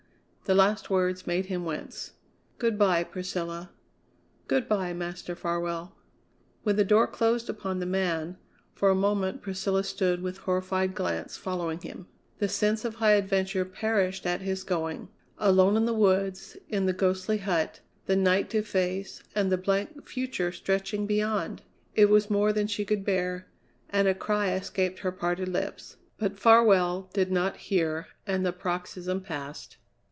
The last words made him wince. "Good bye, Priscilla." "Good bye, Master Farwell." When the door closed upon the man, for a moment Priscilla stood with horrified glance following him. The sense of high adventure perished at his going. Alone in the woods, in the ghostly hut, the night to face, and the blank future stretching beyond! It was more than she could bear, and a cry escaped her parted lips. But Farwell did not hear, and the paroxysm passed.